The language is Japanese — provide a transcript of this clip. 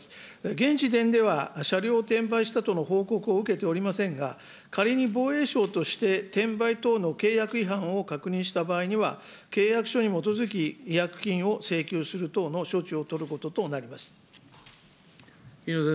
現時点では車両転売したとの報告を受けておりませんが、仮に防衛省として転売等の契約違反を確認した場合には、契約書に基づき、違約金を請求する等の処置を取ることとなります。